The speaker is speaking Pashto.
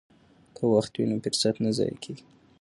که وخت وي نو فرصت نه ضایع کیږي.